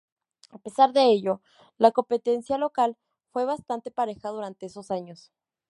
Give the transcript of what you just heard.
A pesar de ello, la competencia local fue bastante pareja durante esos años.